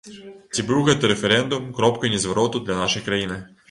Ці быў гэты рэферэндум кропкай незвароту для нашай краіны?